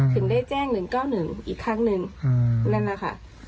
ถึงได้แจ้ง๑๙๑อีกครั้งหนึ่งนั่นแหละค่ะ